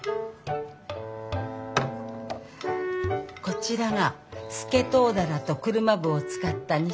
こちらがスケトウダラと車麩を使った煮しめ。